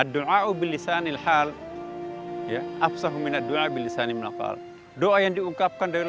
doa yang diungkapkan